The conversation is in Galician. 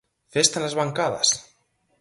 Festa nas bancadas.